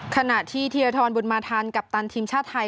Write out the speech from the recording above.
ขณะที่ธีรทรบุญมาทันกัปตันทีมชาติไทย